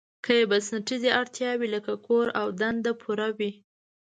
که یې بنسټیزې اړتیاوې لکه کور او دنده پوره وي.